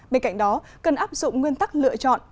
bên cạnh đó cần áp dụng nguyên tắc lựa chọn